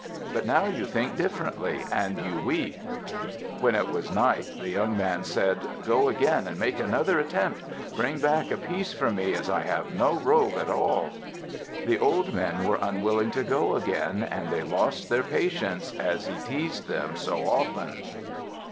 But now you think differently and you weep." When it was night, the young man said, "Go again and make another attempt. Bring back a piece for me, as I have no robe at all." The old men were unwilling to go again, and they lost their patience, as he teased them so often.